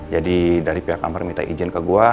jadi dari pihak amar minta izin ke gue